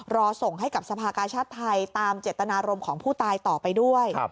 รอส่งให้กับสภากาชาติไทยตามเจตนารมณ์ของผู้ตายต่อไปด้วย